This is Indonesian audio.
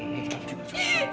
cukup cukup cukup